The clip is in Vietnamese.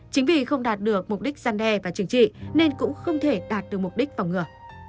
chính vì không đạt được mục đích gian đe và chừng trị nên cũng không thể đạt được mục đích phòng ngừa